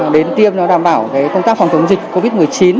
đến tiêm nó đảm bảo công tác phòng chống dịch covid một mươi chín